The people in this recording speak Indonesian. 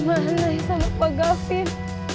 sayang bagus dimana yang sama pak gafin